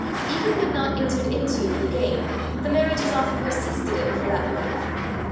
Even when not entered into for gain, the marriage is often persisted in for that motive.